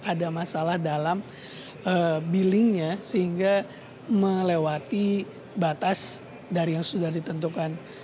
ada masalah dalam billingnya sehingga melewati batas dari yang sudah ditentukan